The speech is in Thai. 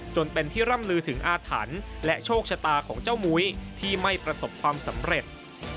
จนเป็นที่ร่ำลือถึงอาถรรพ์และโชคชะตาของเจ้ามุ้ยที่ไม่ประสบความสำเร็จ